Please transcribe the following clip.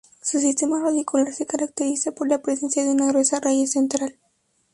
Su sistema radicular se caracteriza por la presencia de una gruesa raíz central.